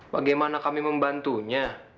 bagaimana kami membantunya